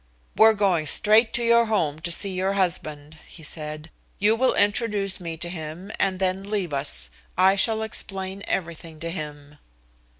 "We're going straight to your home to see your husband," he said. "You will introduce me to him and then leave us. I shall explain everything to him."